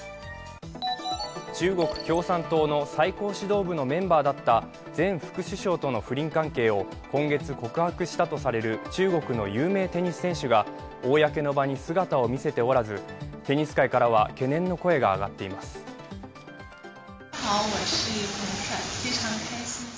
中国共産党の最高指導部のメンバーだった前副首相との不倫関係を今月告白したとされる中国の有名テニス選手が公の場に姿を見せておらずテニス界からは懸念の声が上がっています。